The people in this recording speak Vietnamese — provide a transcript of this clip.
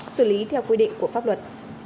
xử lý theo quy định của pháp luật